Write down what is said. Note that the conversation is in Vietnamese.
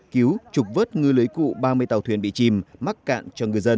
cứu trục vớt ngư lưới cụ ba mươi tàu thuyền bị chìm mắc cạn cho ngư dân